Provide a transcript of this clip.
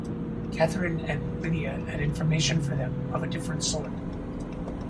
Catherine and Lydia had information for them of a different sort.